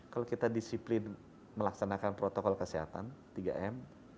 kalau kita disiplin melaksanakan protokol kesehatan tiga m